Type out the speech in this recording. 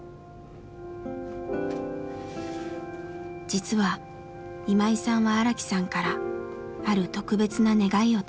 実は今井さんは荒木さんからある特別な願いを託されていました。